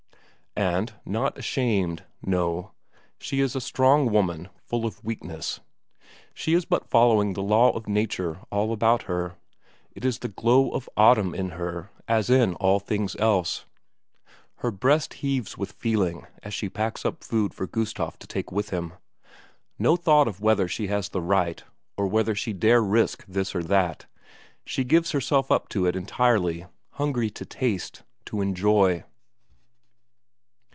And not ashamed, no; she is a strong woman full of weakness; she is but following the law of nature all about her; it is the glow of autumn in her as in all things else. Her breast heaves with feeling as she packs up food for Gustaf to take with him. No thought of whether she has the right, of whether she dare risk this or that; she gives herself up to it entirely, hungry to taste, to enjoy.